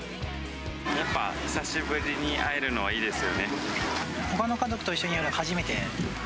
やっぱ久しぶりに会えるのはほかの家族と一緒にやるの初めて。